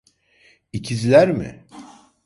İkizler mi?